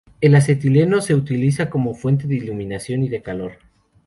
El acetileno se utiliza como fuente de iluminación y de calor.